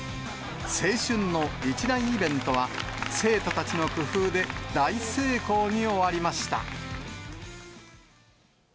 青春の一大イベントは、生徒たちの工夫で大成功に終わりました。